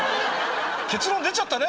結論出ちゃったね。